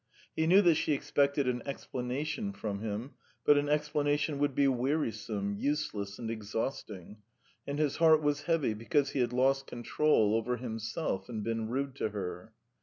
He knew that she expected an explanation from him, but an explanation would be wearisome, useless and exhausting, and his heart was heavy because he had lost control over himself and been rude to her.